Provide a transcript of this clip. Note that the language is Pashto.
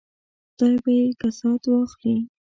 خدای به یې کسات واخلي.